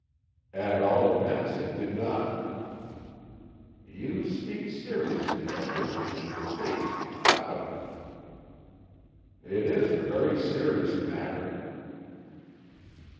"At all events it did not." "You speak seriously, Edward, and your face is clouded." "It is a very serious matter."